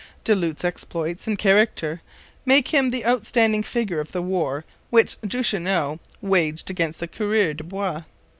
Du Lhut's exploits and character make him the outstanding figure of the war which Duchesneau waged against the coureurs de bois.